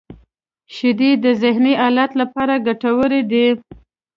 • شیدې د ذهنی حالت لپاره ګټورې دي.